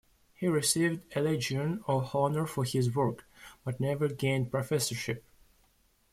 He received a legion of honor for his work, but never gained professorship.